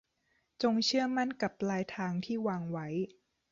จงเชื่อมั่นกับปลายทางที่วางไว้